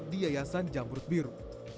di yayasan jamrut biru